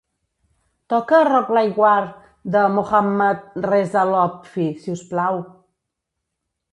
Toca "rock like war" de Mohammad Reza Lotfi, si us plau